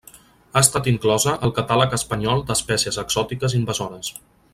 Ha estat inclosa al Catàleg espanyol d’espècies exòtiques invasores.